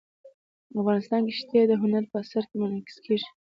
افغانستان کې ښتې د هنر په اثار کې منعکس کېږي.